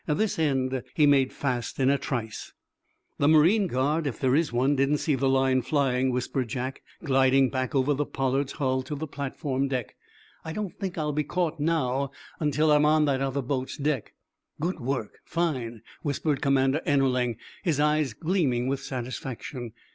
This end he made fast in a trice. "The marine guard, if there is one, didn't see the line flying," whispered Jack, gliding back over the "Pollard's" hull to the platform deck. "I don't think I'll be caught now until I'm on that other boat's deck." "Good work! Fine!" whispered Commander Ennerling, his eyes gleaming with satisfaction.